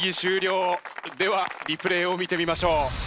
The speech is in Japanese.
ではリプレイを見てみましょう。